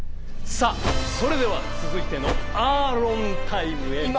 さあそれでは続いてのアーロンタイムへ。